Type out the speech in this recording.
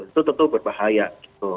itu tentu berbahaya gitu